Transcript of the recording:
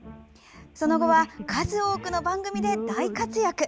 その後は数多くの番組で大活躍。